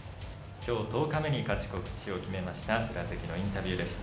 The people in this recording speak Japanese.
きょう十日目に勝ち越しを決めました宇良のインタビューでした。